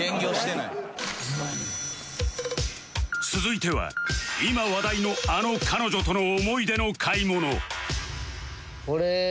続いては今話題のあの彼女との思い出の買い物